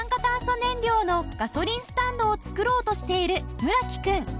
燃料のガソリンスタンドをつくろうとしている村木くん。